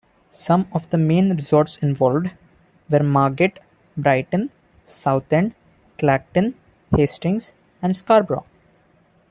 Some of the main resorts involved were Margate, Brighton, Southend, Clacton, Hastings and Scarborough.